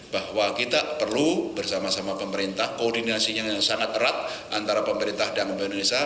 bahwa kita perlu bersama sama pemerintah koordinasinya sangat erat antara pemerintah dan pemerintah indonesia